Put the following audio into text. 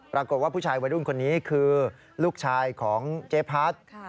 ปรากฏว่าผู้ชายวัยรุ่นคนนี้คือลูกชายของเจ๊พัด